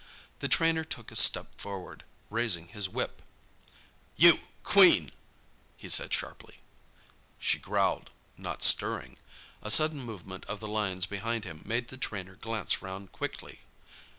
The trainer took a step forward, raising his whip. "You—Queen!" he said sharply. She growled, not stirring. A sudden movement of the lions behind him made the trainer glance round quickly.